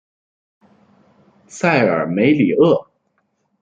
塞尔梅里厄。